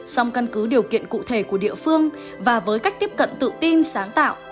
song căn cứ điều kiện cụ thể của địa phương và với cách tiếp cận tự tin sáng tạo